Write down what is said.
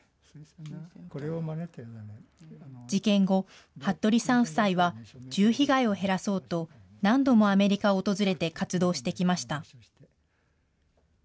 事件後、服部さん夫妻は銃被害を減らそうと、何度もアメリカを訪れて活動してきました。